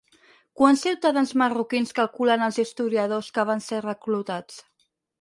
Quants ciutadans marroquins calculen els historiadors que van ser reclutats?